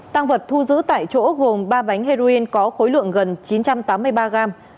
tăng vật thu giữ tại chỗ gồm ba bánh heroin có khối lượng gần chín trăm tám mươi ba gram